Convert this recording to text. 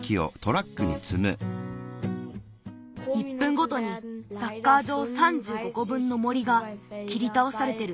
１ぷんごとにサッカーじょう３５こぶんの森がきりたおされてる。